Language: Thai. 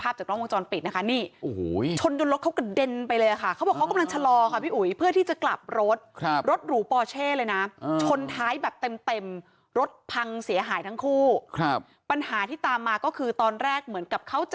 แบบเต็มเต็มรถพังเสียหายทั้งคู่ครับปัญหาที่ตามมาก็คือตอนแรกเหมือนกับเขาจะ